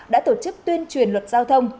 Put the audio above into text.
đã tổ chức tuyên truyền luật giao thông